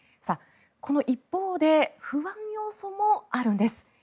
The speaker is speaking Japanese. この一方で不安要素もあるんです。